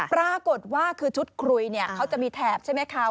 ปรากฏว่าคือชุดคุยเนี่ยเขาจะมีแถบใช่ไหมคะ